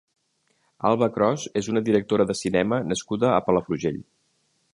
Alba Cros és una directora de cinema nascuda a Palafrugell.